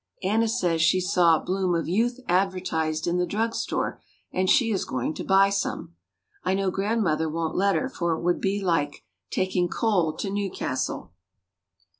Anna says she saw "Bloom of youth" advertised in the drug store and she is going to buy some. I know Grandmother won't let her for it would be like "taking coal to Newcastle."